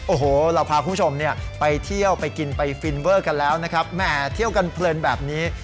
โอ้โหเราพาคุณผู้ชมเนี่ยไปเที่ยวไปกินไปฟินเวอร์กันแล้วนะครับแหมเที่ยวกันเพลินแบบนี้